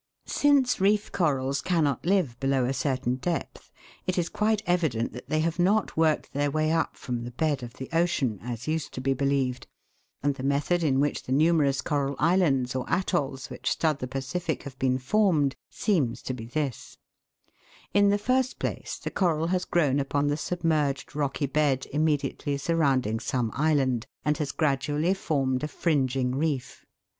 Since reef corals cannot live below a certain depth, it is quite evident that they have not worked their way up from the bed of the ocean, as used to be believed, and the method in which the numerous coral islands, or atolls, which stud the Pacific have been formed, seems to be this : In the first place the coral has grown upon the submerged rocky bed immediately surrounding some island, and has gradually formed a fringing reef.